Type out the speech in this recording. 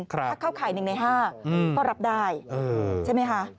ถ้าเข้าข่าย๑ใน๕ก็รับได้ใช่ไหมคะ